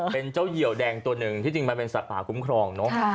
เป็นเจ้าเหี่ยวแดงตัวหนึ่งที่จริงมันเป็นสัตว์ป่าคุ้มครองเนอะ